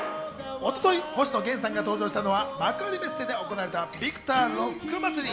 一昨日、星野源さんが登場したのは、幕張メッセで行われたビクターロック祭り。